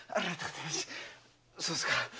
そうすか？